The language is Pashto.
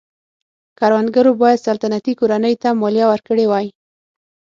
کروندګرو باید سلطنتي کورنۍ ته مالیه ورکړې وای.